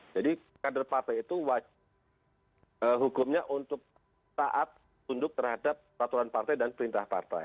jadi kader partai itu